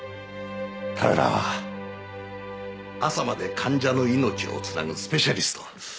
彼らは朝まで患者の命をつなぐスペシャリスト。